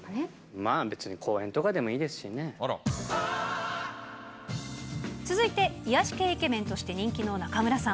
まあ別に公園とかでもいいで続いて、癒やし系イケメンとして人気の中村さん。